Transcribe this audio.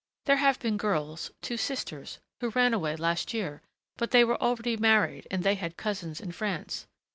There have been girls two sisters who ran away last year but they were already married and they had cousins in France.